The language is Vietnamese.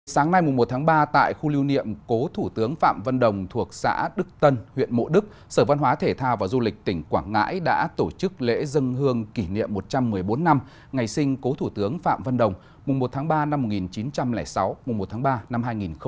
sáng nay mùng một tháng ba tại khu lưu niệm cố thủ tướng phạm văn đồng thuộc xã đức tân huyện mộ đức sở văn hóa thể thao và du lịch tỉnh quảng ngãi đã tổ chức lễ dân hương kỷ niệm một trăm một mươi bốn năm ngày sinh cố thủ tướng phạm văn đồng mùa một tháng ba năm một nghìn chín trăm linh sáu mùa một tháng ba năm hai nghìn hai mươi